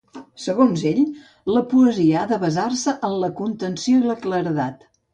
Segons ell, la poesia ha de basar-se en la contenció i la claredat.